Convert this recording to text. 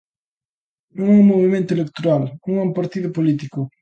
Non é un movemento electoral, non é un partido político.